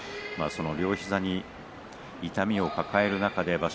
両膝に痛みを抱える中で場所